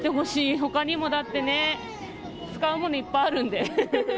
ほかにもだってね、使うものいっぱいあるんで。